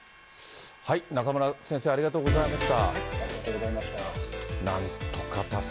中村先生、ありがとうございました。